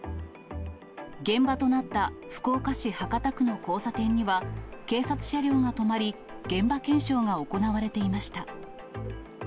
現場となった福岡市博多区の交差点には、警察車両が止まり、現場検証が行われていました。